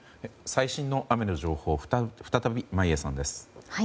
最新の雨の情報再び眞家さんです。